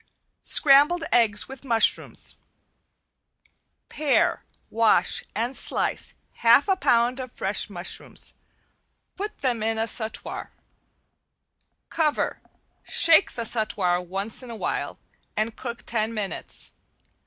~SCRAMBLED EGGS WITH MUSHROOMS~ Pare, wash and slice half a pound of fresh mushrooms, put them in a sautoir; cover, shake the sautoir once in awhile and cook ten minutes.